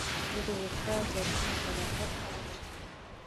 زه د استاد درسونه په دقت اورم.